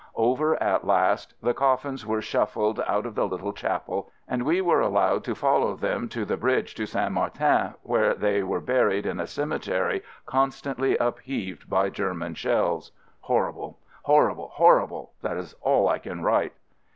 Over at last, the coffins were shuffled out of the little chapel, and we were allowed to follow them to the bridge to St. Martin, where they were buried in a cemetery con FIELD SERVICE 79 stantly upheaved by German shells. Hor rible ! horrible ! horrible !— that is all I can write.